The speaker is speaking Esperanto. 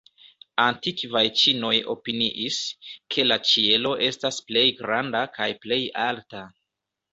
Antikvaj ĉinoj opiniis, ke la ĉielo estas plej granda kaj plej alta.